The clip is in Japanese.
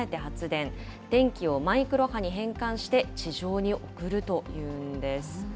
電気をマイクロ波に変換して、地上に送るというんです。